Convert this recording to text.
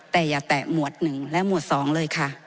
แต่อย่าแตะหมวดหนึ่งและหมวดสองเลยค่ะ